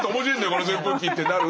この扇風機ってなる。